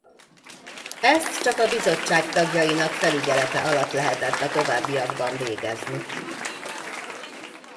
Ezt csak a Bizottság tagjainak felügyelete alatt lehetett a továbbiakban végezni.